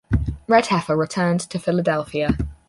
Redheffer returned to Philadelphia.